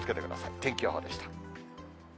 天気予報でした。